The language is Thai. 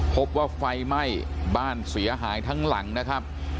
พบว่าไฟไหม้บ้านเสียหายทั้งหลังนะครับ